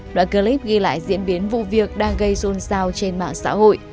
đoạn clip ghi lại diễn biến vụ việc đang gây xôn xao trên mạng xã hội